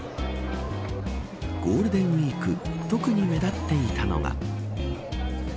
ゴールデンウイーク特に目立っていたのが。